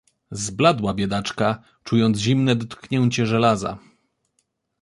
"Zbladła biedaczka, czując zimne dotknięcie żelaza."